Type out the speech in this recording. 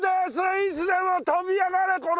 いつでも飛びやがれこの。